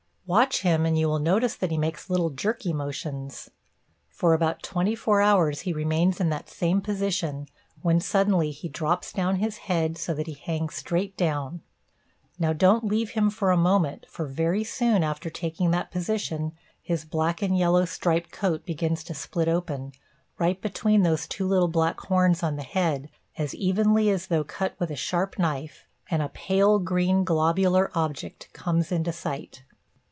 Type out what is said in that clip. Watch him and you will notice that he makes little jerky motions. For about twenty four hours he remains in that same position, when suddenly he drops down his head so that he hangs straight down; now don't leave him for a moment, for very soon after taking that position, his black and yellow striped coat begins to split open, right between those two little black horns on the head, as evenly as though cut with a sharp knife and a pale green globular object comes into sight.